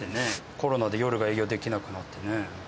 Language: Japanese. コロナで夜が営業できなくなってね。